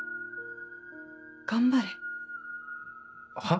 頑張れ。は？